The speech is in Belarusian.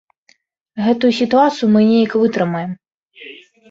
Гэтую сітуацыю мы неяк вытрымаем.